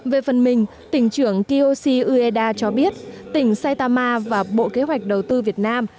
về phần mình tỉnh trưởng kiyoshi ueda cho biết tỉnh saitama và bộ kế hoạch đầu tư việt nam